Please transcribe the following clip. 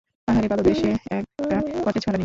পাহাড়ের পাদদেশে একটা কটেজ ভাড়া নিই।